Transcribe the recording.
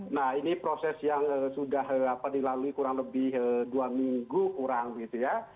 nah ini proses yang sudah dilalui kurang lebih dua minggu kurang gitu ya